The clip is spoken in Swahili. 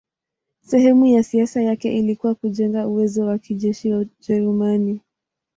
Sehemu ya siasa yake ilikuwa kujenga uwezo wa kijeshi wa Ujerumani.